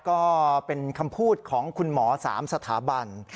ก็เป็นคำพูดของคุณหมอ๓สถาบัน